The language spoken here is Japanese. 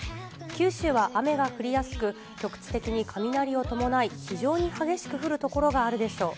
九州は雨が降りやすく、局地的に雷を伴い、非常に激しく降る所があるでしょう。